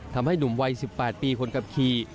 ทำให้หนุ่มวัย๑๘ปีคนขับขี่